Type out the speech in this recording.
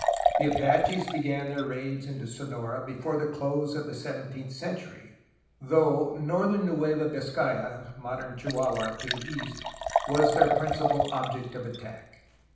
The Apaches began their raids into Sonora before the close of the seventeenth century, though northern Nueva Vizcaya (modern Chihua hua) to the east was their principal object of attack.